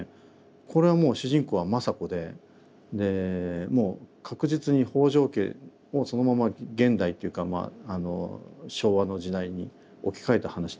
これはもう主人公は政子ででもう確実に北条家をそのまま現代っていうか昭和の時代に置き換えた話だったんですよね。